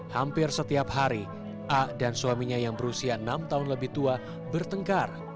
hampir setiap hari a dan suaminya yang berusia enam tahun lebih tua bertengkar